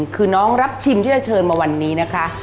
คือน้องรับชิมที่เราเชิญมาวันนี้นะคะ